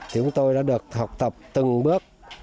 chúng tôi đã được học tập từng bước